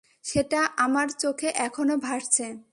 সেটা আমার চোখে এখনো ভাসছে।